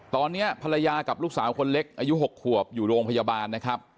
ตอนนี้ภรรยากับลูกสาวคนเล็กอายุ๖ขวบอยู่โรงพยาบาลนะครับ